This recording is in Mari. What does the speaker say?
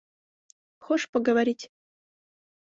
Хошь поговорить?